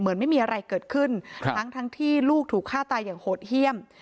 ไม่มีอะไรเกิดขึ้นทั้งที่ลูกถูกฆ่าตายอย่างโหดเยี่ยม